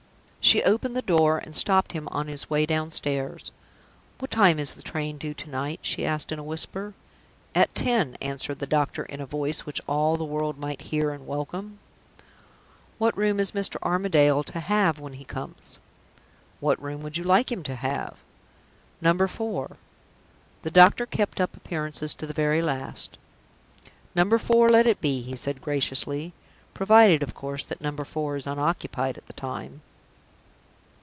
She opened the door, and stopped him on his way downstairs. "What time is the train due to night?" she asked, in a whisper. "At ten," answered the doctor, in a voice which all the world might hear, and welcome. "What room is Mr. Armadale to have when he comes?" "What room would you like him to have?" "Number Four." The doctor kept up appearances to the very last. "Number Four let it be," he said, graciously. "Provided, of course, that Number Four is unoccupied at the time."